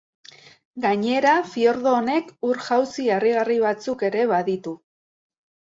Gainera, fiordo honek, ur-jauzi harrigarri batzuk ere baditu.